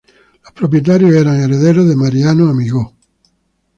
Los propietarios, eran herederos de Mariano Amigó.